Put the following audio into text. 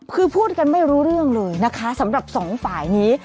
คือพูดกันไม่รู้เรื่องเลยนะคะสำหรับสองฝ่ายนี้